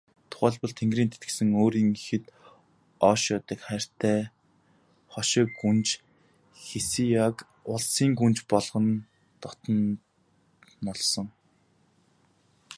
Тухайлбал, Тэнгэрийн тэтгэсэн өөрийн ихэд ойшоодог хайртай хошой гүнж Хэсяог улсын гүнж болгон дотнолсон.